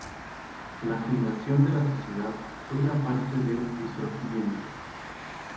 La fundación de la sociedad fue una parte del "Risorgimento".